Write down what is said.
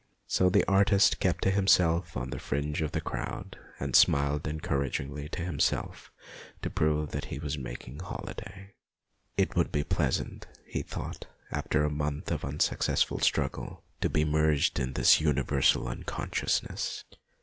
So the artist kept himself on the fringe of the crowd, and smiled encouragingly to himself to prove that he was making holiday. It would be pleasant, he thought, after a month of unsuccessful struggle, to be merged in this universal unconsciousness.